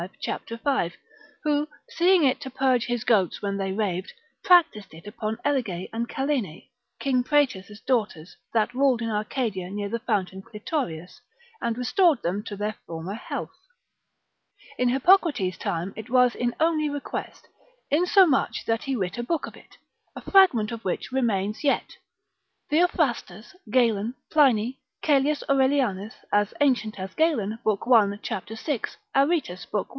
cap. 5. who, seeing it to purge his goats when they raved, practised it upon Elige and Calene, King Praetus' daughters, that ruled in Arcadia, near the fountain Clitorius, and restored them to their former health. In Hippocrates's time it was in only request, insomuch that he writ a book of it, a fragment of which remains yet. Theophrastus, Galen, Pliny, Caelius Aurelianus, as ancient as Galen, lib. 1, cap. 6. Aretus lib. 1.